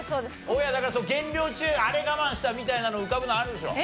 大家だから減量中あれ我慢したみたいなの浮かぶのあるでしょ。